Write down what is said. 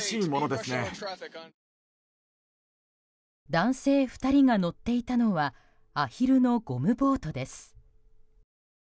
男性２人が乗っていたのはアヒルのゴムボートです。